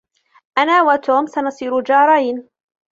أنا وتوم سنصير جارين.